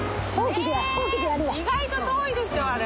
え意外と遠いですよあれ。